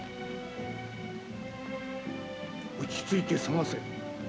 落ち着いて捜せ。